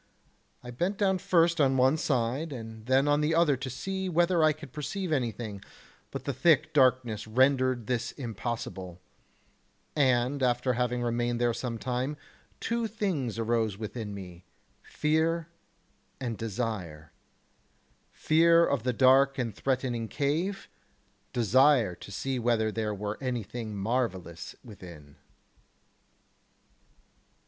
I bent down first on one side and then on the other to see whether I could perceive anything, but the thick darkness rendered this impossible; and after having remained there some time, two things arose within me, fear and desire, fear of the dark and threatening cave, desire to see whether there were anything marvellous within.